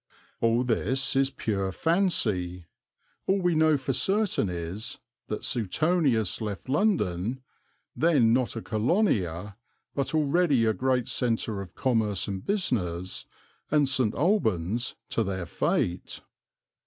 All this is pure fancy. All we know for certain is that Suetonius left London, then not a colonia but already a great centre of commerce and business, and St. Albans to their fate.